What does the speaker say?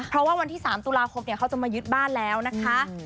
เพราะว่าวันที่๓ตุลาคมเขาจะมายึดบ้านแล้วนะคะ